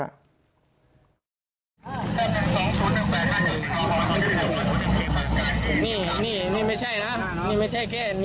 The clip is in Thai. แล้วยังไงน่าสัญล่ะทุกคน